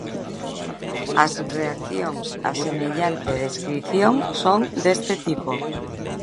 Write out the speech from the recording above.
As reaccións a semellante descrición son deste tipo...